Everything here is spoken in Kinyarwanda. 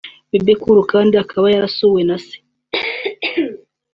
Bebe Cool kandi akaba yarasuwe na se